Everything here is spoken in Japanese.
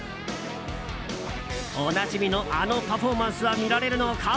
おなじみのあのパフォーマンスは見られるのか？